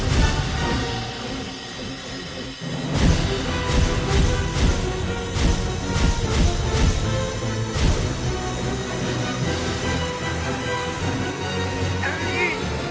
แกนึกว่าหมายอยู่สัญญาณของเอง